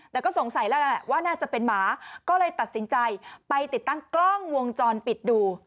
แต่ก็สงสัยแล้วแหละว่าน่าจะเป็นหมาก็เลยตัดสินใจไปติดตั้งกล้องวงจรปิดดู